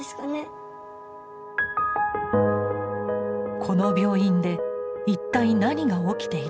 この病院で一体何が起きているのか。